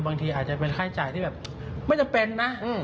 บางทีอาจจะเป็นค่าจ่ายที่แบบไม่จำเป็นนะ